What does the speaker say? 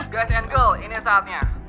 guys and girls ini saatnya